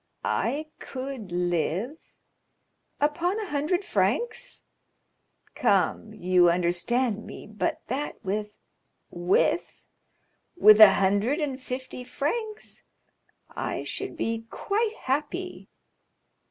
"I could live——" "Upon a hundred francs!" "Come—you understand me; but that with——" "With?" "With a hundred and fifty francs I should be quite happy."